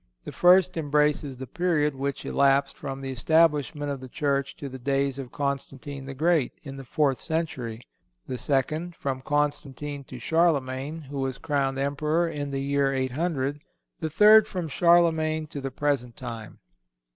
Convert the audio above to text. The first embraces the period which elapsed from the establishment of the Church to the days of Constantine the Great, in the fourth century; the second, from Constantine to Charlemagne, who was crowned Emperor in the year 800; the third, from Charlemagne to the present time.